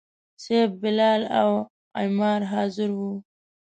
صیب، بلال او عمار حاضر وو.